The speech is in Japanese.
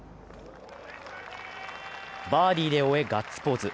バーディーで終えガッツポーズ。